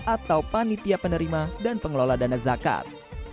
atau panitia penerima dan pengelola dana zakat